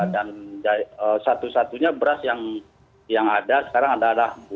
dan satu satunya beras yang ada sekarang adalah bulu